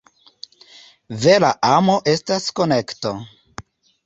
Vera amo estas konekto.